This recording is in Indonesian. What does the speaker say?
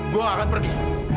gue gak akan pergi